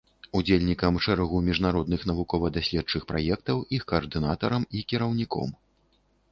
Удзельнікам шэрагу міжнародных навукова-даследчых праектаў, іх каардынатарам і кіраўніком.